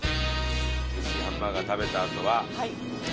おいしいハンバーガー食べたあとは。